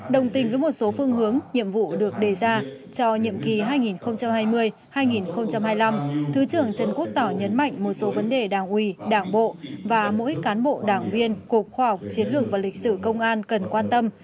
đồng tình với một số phương hướng nhiệm vụ được đề ra cho nhiệm kỳ hai nghìn hai mươi hai nghìn hai mươi năm thứ trưởng trần quốc tỏ nhấn mạnh một số vấn đề đảng ủy đảng bộ và mỗi cán bộ đảng viên cục khoa học chiến lược và lịch sử công an cần quan tâm